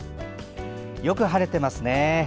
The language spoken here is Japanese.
よく晴れていますね。